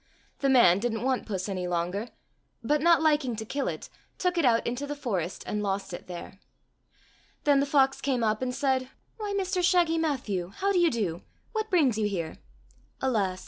The man didn't want puss any longer, but not liking to kill it, took it out into the forest and lost it there. Then the fox came up and said, '' Why, Mr Shaggy Matthew ! How d'ye do ! What brings you here }"—" Alas !